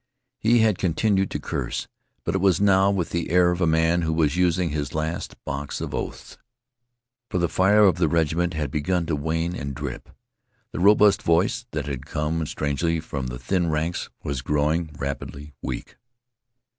He had continued to curse, but it was now with the air of a man who was using his last box of oaths. For the fire of the regiment had begun to wane and drip. The robust voice, that had come strangely from the thin ranks, was growing rapidly weak.